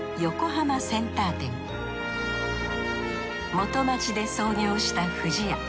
元町で創業した不二家。